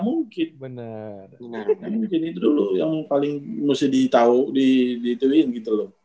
mungkin itu dulu yang paling mesti ditahuin gitu loh